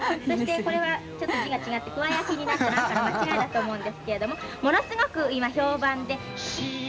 そしてこれはちょっと字が違って「鍬焼」になって何かの間違いだと思うんですけれどもものすごく今評判で。